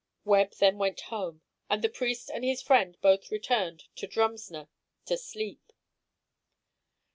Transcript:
Webb then went home, and the priest and his friend both returned to Drumsna to sleep.